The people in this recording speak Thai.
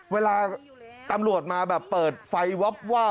เวลาตำรวจมาแบบเปิดไฟวับวาบ